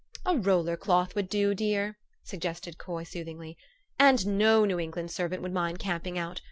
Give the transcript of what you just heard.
u A roller cloth would do, dear," suggested Coy soothingly. " And no New England servant would mind camping out.